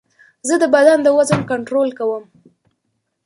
زه د بدن د وزن کنټرول کوم.